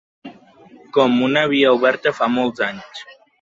Com una via oberta fa molts anys